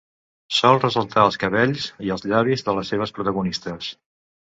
Sol ressaltar els cabells i els llavis de les seves protagonistes.